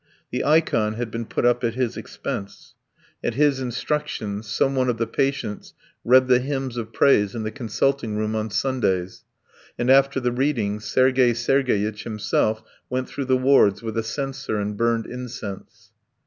The ikon had been put up at his expense; at his instructions some one of the patients read the hymns of praise in the consulting room on Sundays, and after the reading Sergey Sergeyitch himself went through the wards with a censer and burned incense.